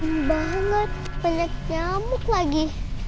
monyet nyamuk lagi